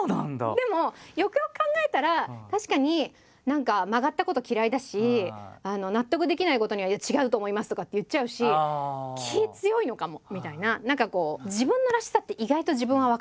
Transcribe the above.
でもよくよく考えたら確かに何か曲がったこと嫌いだし納得できないことには「いや違うと思います」とかって言っちゃうし気強いのかもみたいな。